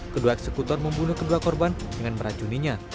kedua eksekutor membunuh kedua korban dengan meracuninya